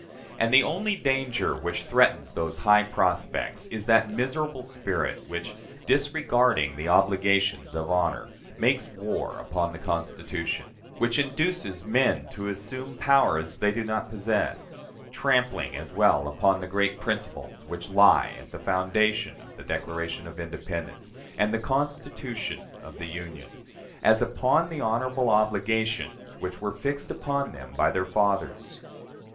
And the only danger which threatens those high prospects is that miserable spirit which, disregarding the obligations of honor, makes war upon the Constitution; which induces men to assume powers they do not possess, trampling as well upon the great principles which lie at the foundation of the Declaration of Independence, and the Constitution of the Union, as upon the honorable obligations which were fixed upon them by their fathers.